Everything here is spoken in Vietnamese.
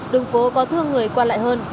đường phố có thương người qua lại hơn